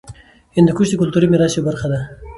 هندوکش د کلتوري میراث یوه برخه ده.